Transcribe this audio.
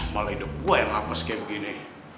malah hidup gue yang hapas kayak begini